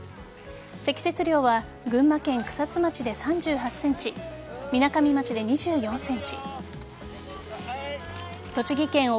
積雪量は群馬県草津町で３８ｃｍみなかみ町で２４ｃｍ栃木県奥